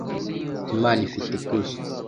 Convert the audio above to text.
Imana ifite ikuzo